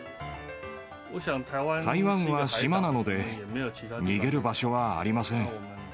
台湾は島なので、逃げる場所はありません。